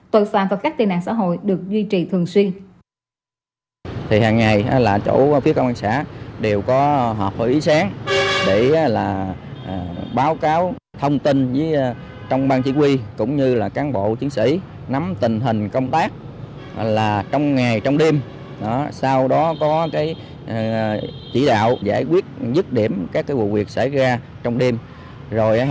tội phạm và các tên nạn xã hội được duy trì